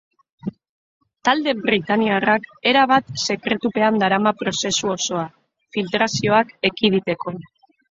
Talde britainiarrak erabat sekretupean darama prozesu osoa, filtrazioak ekiditeko.